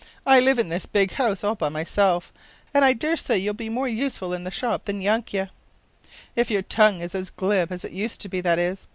“I live in this big house by myself, and I dare say you’ll be more useful in the shop than Yanke if your tongue is as glib as it used to be, that is.